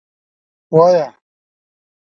_وايه.